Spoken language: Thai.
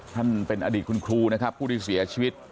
ท่านเป็นอดีตคุณครูนะครับผู้ที่เสียชีวิต